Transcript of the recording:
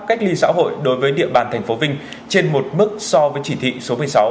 cách ly xã hội đối với địa bàn tp vinh trên một mức so với chỉ thị số một mươi sáu